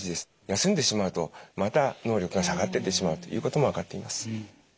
休んでしまうとまた脳力が下がってってしまうということも分かっています。